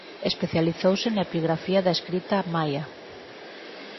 Especializouse na epigrafía da escrita maia.